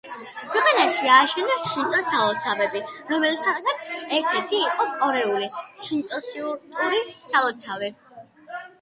ქვეყანაში ააშენეს შინტოს სალოცავები, რომელთაგან ერთ-ერთი იყო კორეული შინტოისტური სალოცავი სეულში.